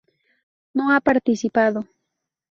No ha participado